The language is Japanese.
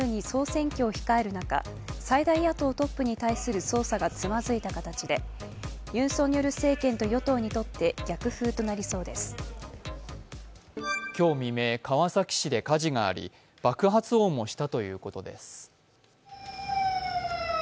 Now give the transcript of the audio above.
来年春に総選挙を控える中、最大野党トップに対する捜査がつまずいた形でユン・ソンニョル政権と与党にとって今日未明、川崎市で火事があり爆発音もしたというこです。